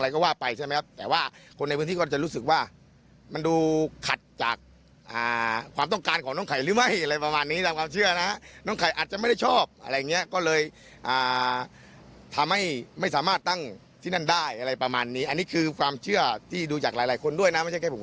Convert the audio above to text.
ก็ปกติการแก้บนไอ้ไข่ต้องใช้รูปปั้นไก่ชน